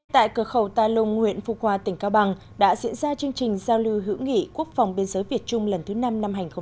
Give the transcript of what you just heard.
tại cửa khẩu tài lông nguyễn phúc hòa tỉnh cao bằng đã diễn ra chương trình giao lưu hữu nghị quốc phòng biên giới việt trung lần thứ năm năm hai nghìn một mươi tám